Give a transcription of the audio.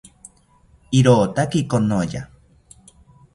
Irotaki konoya